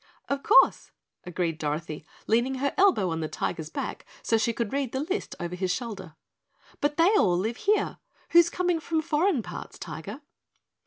"Of course," agreed Dorothy, leaning her elbow on the Tiger's back so she could read the list over his shoulder. "But they all live here. Who's coming from foreign parts, Tiger?"